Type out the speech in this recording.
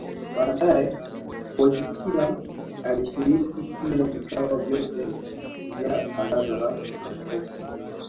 Baadae Wojtyla alishiriki pia vikao vyote vya baraza la maaskofu